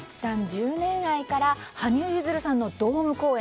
１０年愛から羽生結弦さんのドーム公演。